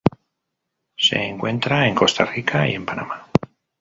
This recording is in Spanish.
Se encuentra en Costa Rica, y en Panamá.